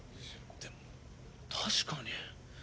でも確かに。